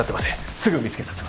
すぐ見つけさせます。